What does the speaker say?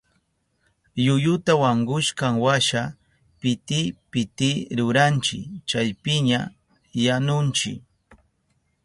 Yuyuta wankushkanwasha piti piti ruranchi chaypiña yanunchi.